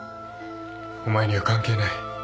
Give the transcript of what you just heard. お前には関係ない。